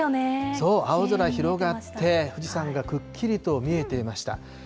そう、青空広がって、富士山がくっきりと見えていました。